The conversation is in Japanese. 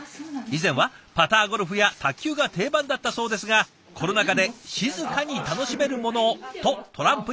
以前はパターゴルフや卓球が定番だったそうですがコロナ禍で静かに楽しめるものをとトランプに移行。